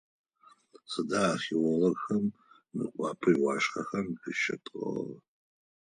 Сыда археологхэм Мыекъуапэ иӏуашъхьэхэм къыщатӏыгъэр?